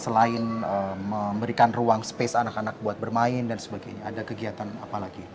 selain memberikan ruang space anak anak buat bermain dan sebagainya ada kegiatan apa lagi